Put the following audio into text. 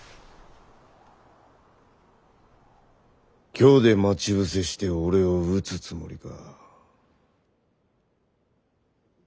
京で待ち伏せして俺を討つつもりか？